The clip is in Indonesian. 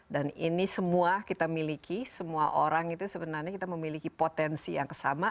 dan ini semua kita miliki semua orang itu sebenarnya kita memiliki potensi yang sama